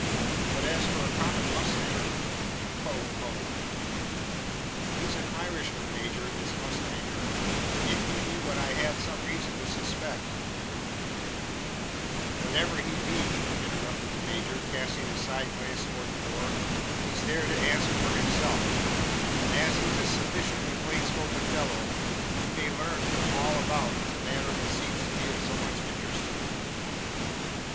But as for a common mustanger poh poh!" "He's an Irishman, major, this mustanger; and if he be what I have some reason to suspect " "Whatever he be," interrupted the major, casting a side glance towards the door, "he's there to answer for himself; and as he's a sufficiently plain spoken fellow, you may learn from him all about the matter that seems to be of so much interest to you."